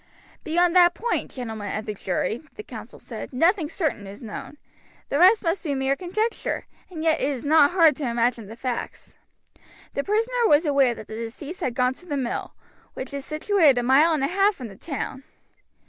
"Beyond that point, gentlemen of the jury," the counsel said, "nothing certain is known. The rest must be mere conjecture; and yet it is not hard to imagine the facts. The prisoner was aware that the deceased had gone to the mill, which is situated a mile and a half from the town.